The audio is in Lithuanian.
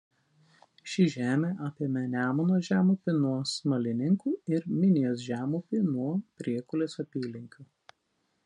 Ši žemė apėmė Nemuno žemupį nuo Smalininkų ir Minijos žemupį nuo Priekulės apylinkių.